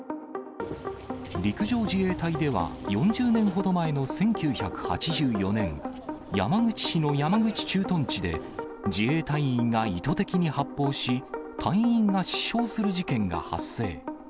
陸上自衛隊では、４０年ほど前の１９８４年、山口市の山口駐屯地で、自衛隊員が意図的に発砲し、隊員が死傷する事件が発生。